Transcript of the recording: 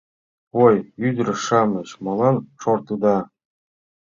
Ой, ӱдыр-шамыч, молан шортыда?